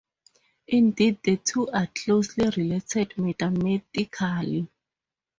Indeed the two are closely related mathematically.